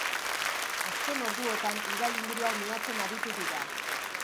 Azken orduotan, ibai inguruak miatzen aritu dira.